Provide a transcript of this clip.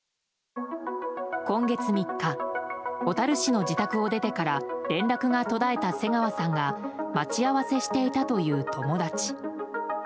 今月３日小樽市の自宅を出てから連絡が途絶えた瀬川さんが待ち合わせしていたという友達。